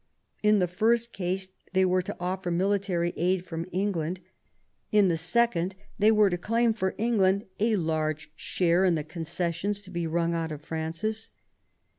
In the first case, they were to offer military aid from England ; in the second, they were to claim for England a large share in the concessions to be wrung out of Francis.